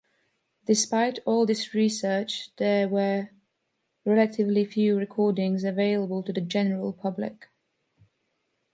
Despite all this research, there were relatively few recordings available to the general public.